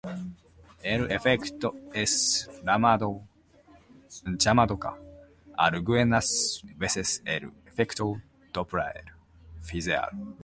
El efecto es llamado algunas veces el "efecto Doppler-Fizeau".